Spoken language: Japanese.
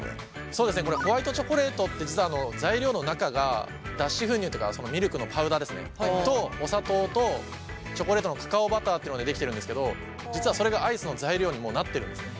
そうですねホワイトチョコレートって実は材料の中が脱脂粉乳とかミルクのパウダーですねとお砂糖とチョコレートのカカオバターっていうのでできてるんですけど実はそれがアイスの材料にもうなってるんですね。